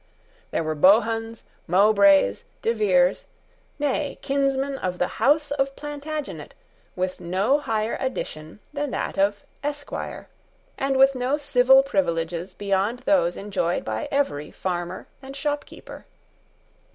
There were Bohuns, Mowbrays, DeVeres, nay, kinsmen of the House of Plantagenet, with no higher addition than that of Esquire, and with no civil privileges beyond those enjoyed by every farmer and shopkeeper.